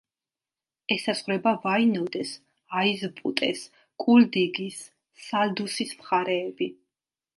ესაზღვრება ვაინოდეს, აიზპუტეს, კულდიგის, სალდუსის მხარეები.